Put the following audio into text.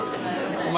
お前